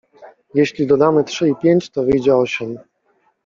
Jeśli dodamy trzy i pięć, to wyjdzie osiem.